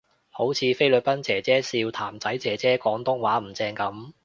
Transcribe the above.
好似菲律賓姐姐笑譚仔姐姐廣東話唔正噉